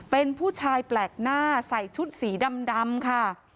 เป็นผู้ชายแปลกหน้าใส่ชุดสีดำค่ะ